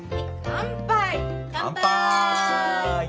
乾杯！